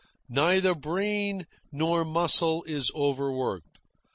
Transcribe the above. Neither brain nor muscle is overworked.